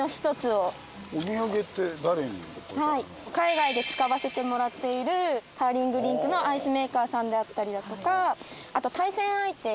海外で使わせてもらっているカーリングリンクのアイスメーカーさんであったりだとかあと対戦相手。